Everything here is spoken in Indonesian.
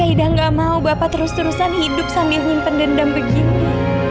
tapi aida gak mau bapak terus terusan hidup sambil nyimpen dendam begini